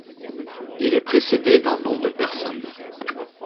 Il est précédé d'un nom de personne.